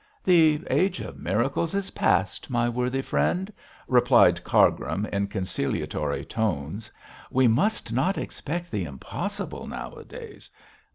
'The age of miracles is past, my worthy friend,' replied Cargrim, in conciliatory tones. 'We must not expect the impossible nowadays.